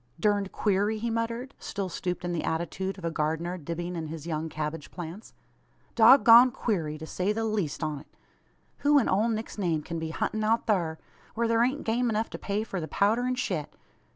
"Durned queery!" he muttered, still stooped in the attitude of a gardener dibbing in his young cabbage plants. "Dog goned queery, to say the leest on't. Who in ole Nick's name kin be huntin' out thur whar theer ain't game enuf to pay for the powder an shet?